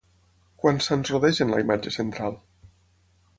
Quants sants rodegen la imatge central?